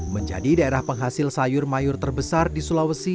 menjadi daerah penghasil sayur mayur terbesar di sulawesi